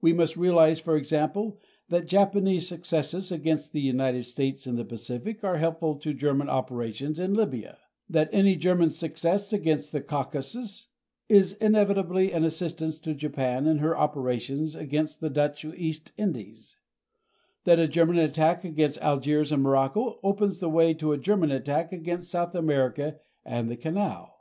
We must realize for example that Japanese successes against the United States in the Pacific are helpful to German operations in Libya; that any German success against the Caucasus is inevitably an assistance to Japan in her operations against the Dutch East Indies; that a German attack against Algiers or Morocco opens the way to a German attack against South America and the Canal.